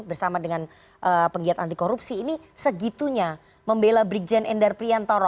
bersama dengan penggiat anti korupsi ini segitunya membela brigjen endar priantoro